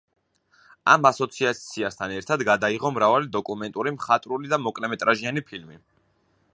ამ ასოციაციასთან ერთად გადაიღო მრავალი დოკუმენტური, მხატვრული და მოკლემეტრაჟიანი ფილმი.